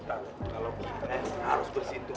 kalau kita harus bersitu